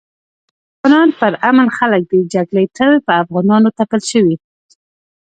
افغانان پر امن خلک دي جګړي تل په افغانانو تپل شوي